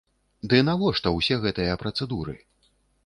Ды навошта ўсе гэтыя працэдуры?